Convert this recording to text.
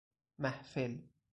محفل